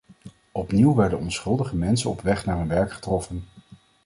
Opnieuw werden onschuldige mensen op weg naar hun werk getroffen.